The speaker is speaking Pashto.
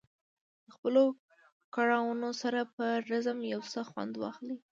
د خپلو کړاوونو سره په رزم یو څه خوند واخلي.